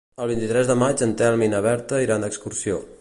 El vint-i-tres de maig en Telm i na Berta iran d'excursió.